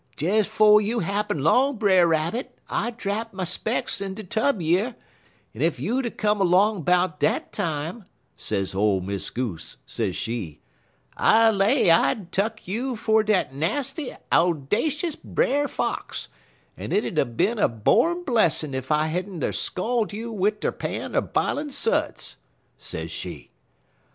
'Des 'fo' you happen 'long, Brer Rabbit, I drap my specks in de tub yer, en ef you'd 'a' come 'long 'bout dat time,' sez ole Miss Goose, sez she, 'I lay I'd er tuck you for dat nasty, owdashus Brer Fox, en it ud er bin a born blessin' ef I had n't er scald you wid er pan er b'ilin' suds,' sez she.